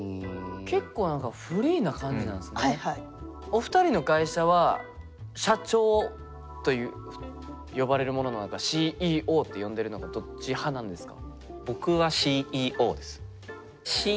結構何かお二人の会社は社長という呼ばれるものなのかＣＥＯって呼んでるのかどっち派なんですか？